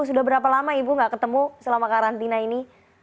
sudah berapa lama ibu gak ketemu selama karantina ini